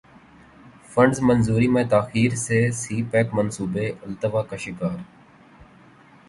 funds منظوری میں تاخیر سے سی پیک منصوبے التوا کا شکار